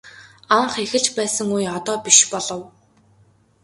Анх эхэлж байсан үе одоо биш болов.